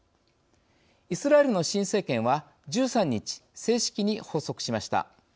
イスラエルの新政権は１３日正式に発足しました。